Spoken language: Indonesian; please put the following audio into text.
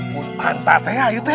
berubah menjadi orang yang lebih baik